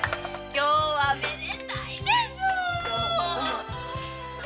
今日はめでたいでしょう。